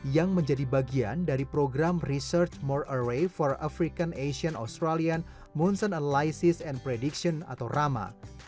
yang menjadi bagian dari program research more ar ray for african asian australian moonson analysis and prediction atau rama